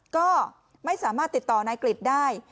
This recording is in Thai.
ก็ไม่สามารถติดต่อนายกริจได้